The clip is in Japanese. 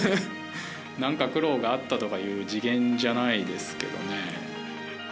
なんか苦労があったとかいう次元じゃないですけどね。